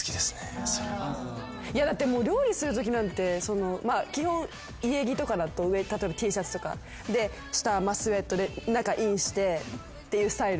だって料理するときなんて基本家着とかだと上例えばＴシャツとかで下はスエットで中インしてっていうスタイル。